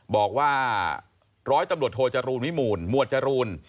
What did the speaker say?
บอกว่าร้อยตำรวจโทจรูลวิมูลหมวดจรูน